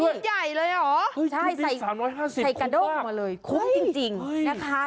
ชุดใหญ่เลยเหรอใช่ชุดนี้๓๕๐บาทใส่กระโด้มาเลยคุ้มจริงนะคะ